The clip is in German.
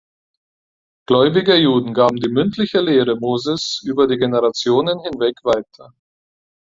Gläubige Juden gaben die mündliche Lehre Moses über die Generationen hinweg weiter.